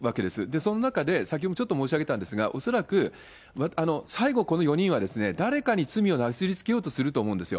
その中で、先ほどもちょっと申し上げたんですが、恐らく最後、この４人は誰かに罪をなすりつけようとすると思うんですよ。